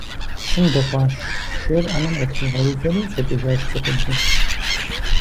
Щым дыхъуащ, шейр Ӏэнэм къытригъэувэри, щӀэкӀыжащ цӀыхубзыр.